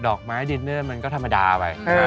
อกไม้ดินเนอร์มันก็ธรรมดาไป